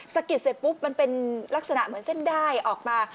สะกิดเสร็จปุ๊บมันเป็นลักษณะเหมือนเส้นได้ออกมา